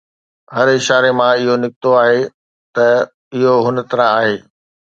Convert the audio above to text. هر اشاري مان اهو نڪتو آهي ته اهو هن طرح آهي